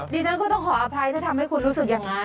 ดิฉันก็ต้องขออภัยถ้าทำให้คุณรู้สึกอย่างนั้น